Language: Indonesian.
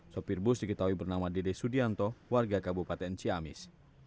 sopir bus diketahui bernama dede subianto warga kabupaten ciamis